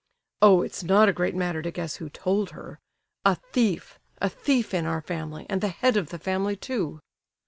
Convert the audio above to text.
"Oh! it's not a great matter to guess who told her. A thief! A thief in our family, and the head of the family, too!"